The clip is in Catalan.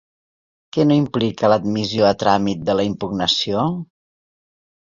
Què no implica l'admissió a tràmit de la impugnació?